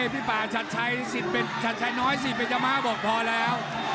พี่ป่าชัดใช้สิทธิ์เป็นชัดใช้น้อยสิทธิ์เป็นจำห้าบอกพอแล้ว